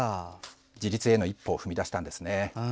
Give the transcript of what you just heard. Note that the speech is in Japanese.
自立への一歩を踏み出したんですね。